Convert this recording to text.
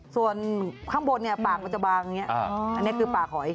ส่วนข้างบนปากมันจะบางอย่างนี้อันนี้คือปากหอย